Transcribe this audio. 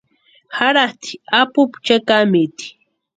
Jaratʼi apupu chekamiti.